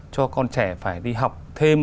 cho con trẻ phải đi học thêm